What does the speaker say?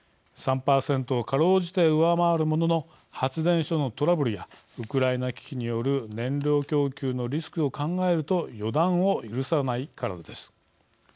３％をかろうじて上回るものの発電所のトラブルやウクライナ危機による燃料供給のリスクを考えると予断を許さないからです。